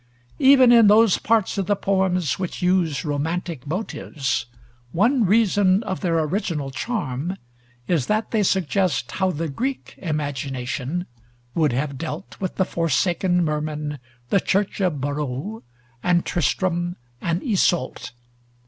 Even in those parts of the poems which use romantic motives, one reason of their original charm is that they suggest how the Greek imagination would have dealt with the forsaken merman, the church of Brou, and Tristram and Iseult.